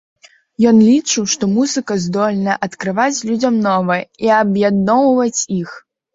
Ён лічыў, што музыка здольная адкрываць людзям новае і аб'ядноўваць іх.